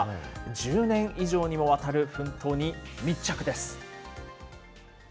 １０年以上にもわたる奮闘に密着です。